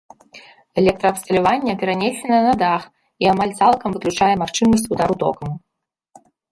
Электраабсталяванне перанесена на дах і амаль цалкам выключае магчымасць удару токам.